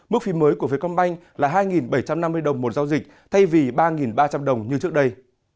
mức phí mới của vietcombank là hai bảy trăm năm mươi đồng một giao dịch thay vì ba ba trăm linh đồng như trước đây